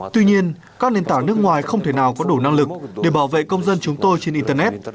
tuy nhiên các nền tảng nước ngoài không thể nào có đủ năng lực để bảo vệ công dân chúng tôi trên internet